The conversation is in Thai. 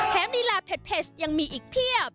แถมนิลาเพชรยังมีอีกเพียบ